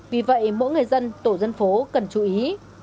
vì vậy mỗi người dân tổ dân phố cần chú ý